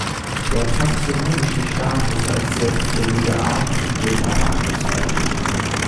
Der taxonomische Status als selbständige Arten wird aber angezweifelt.